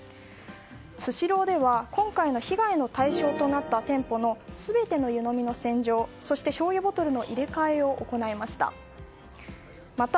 スシローでは今回の被害の対象となった店舗の全ての湯飲みの洗浄そしてしょうゆボトルの入れ替えを行いました。